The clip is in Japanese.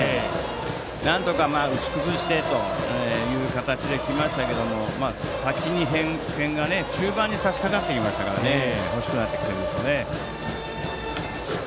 なんとか、打ち崩してという形できましたけど先に点が中盤にさしかかってきましたから欲しくなってきてますよね。